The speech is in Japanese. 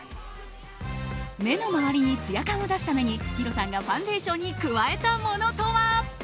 目の周りにつや感を出すためにヒロさんがファンデーションに加えたものとは？